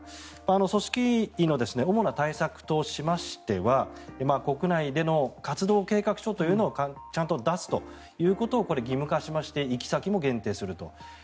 組織委の主な対策としましては国内での活動計画書というのをちゃんと出すことを義務化しまして行き先も限定すると。